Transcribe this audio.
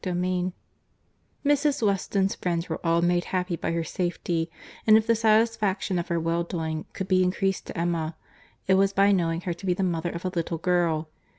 CHAPTER XVII Mrs. Weston's friends were all made happy by her safety; and if the satisfaction of her well doing could be increased to Emma, it was by knowing her to be the mother of a little girl.